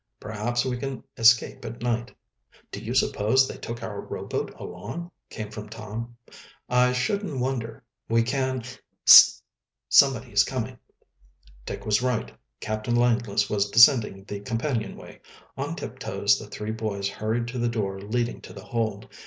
Perhaps we can escape at night." "Do you suppose they took our rowboat along?" came from Tom. "I shouldn't wonder. We can Hist! somebody is coming!" Dick was right; Captain Langless was descending the companion way. On tiptoes the three boys hurried to the door leading to the hold.